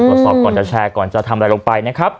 ตรวจสอบก่อนจะแชร์ก่อนจะทำอะไรลงไปนะครับ